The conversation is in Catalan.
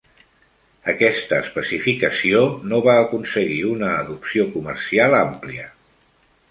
Aquesta especificació no va aconseguir una adopció comercial àmplia.